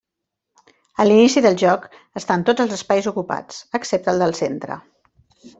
A l'inici del joc estan tots els espais ocupats, excepte el del centre.